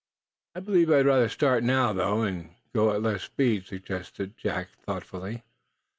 "I believe I'd rather start now, though, and go at less speed," suggested Jack, thoughtfully.